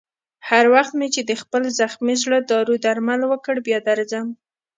هر وخت مې چې د خپل زخمي زړه دارو درمل وکړ، بیا درځم.